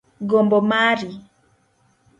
Gombo mari.